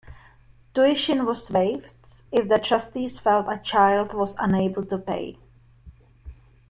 Tuition was waived if the trustees felt a child was unable to pay.